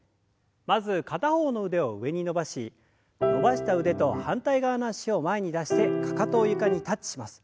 まず片方の腕を上に伸ばし伸ばした腕と反対側の脚を前に出してかかとを床にタッチします。